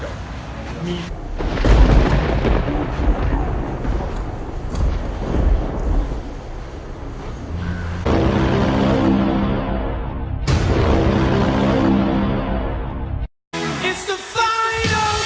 ว่าที่จะเชิญให้ไป